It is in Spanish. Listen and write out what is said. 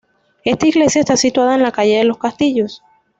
Esta iglesia está situada en la calle de los Castillos.